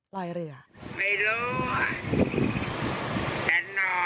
ลอยเรือ